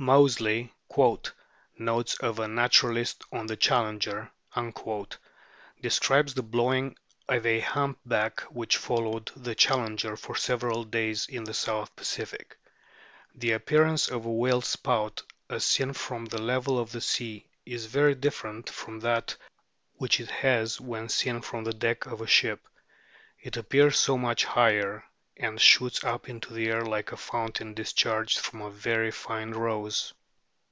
Moseley (" Notes of a Naturalist on the Challenger"} described the blowing of a hump back which followed the Challenger for several days in the South Pacific :" The appearance of a whale's spout as seen from the 36 A BOOK OF WHALES level of the sea is very different from that which it has when seen from the deck of a ship ; it appears so much higher, and shoots up into the air like a fountain discharged from a very fine rose.